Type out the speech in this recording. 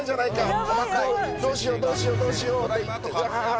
どうしようどうしようどうしようと言ってああ。